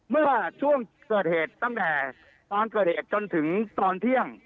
เมื่อช่วงเกิดเหตุตั้งแต่ตอนเกิดเหตุจนถึงตอนเที่ยง